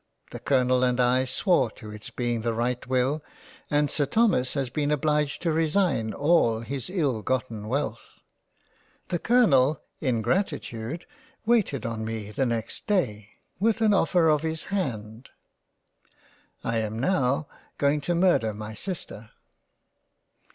The Colonel and I swore to its' being the right will, and Sir Thomas has been obliged to resign all his illgotten wealth. The Colonel in gratitude waited on me the next day with an offer of his hand —. I am now going to murder my Sister.